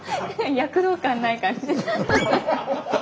躍動感ない感じ。